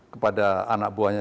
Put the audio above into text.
kepada anak buahnya